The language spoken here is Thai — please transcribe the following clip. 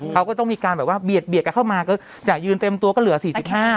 เขาก็ต้องมีการแบบว่าเบียดกันเข้ามาก็จะยืนเต็มตัวก็เหลือสี่สิบห้า